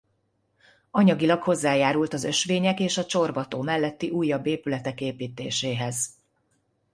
Anyagilag hozzájárult az ösvények és a Csorba-tó melletti újabb épületek építéséhez.